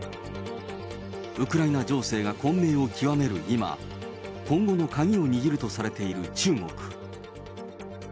ウクライナ情勢が混迷を極める今、今後の鍵を握るとされている中国。